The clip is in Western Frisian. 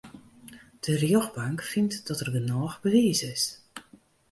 De rjochtbank fynt dat der genôch bewiis is.